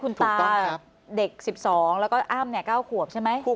คุณตาเด็ก๑๒แล้วก็อ้ำ๙ขวบใช่ไหม